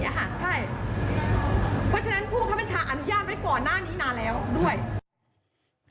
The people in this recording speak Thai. เพราะฉะนั้นผู้บังคับบัญชาอนุญาตไว้ก่อนหน้านี้นานแล้วด้วย